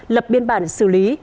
lập biên bản xử lý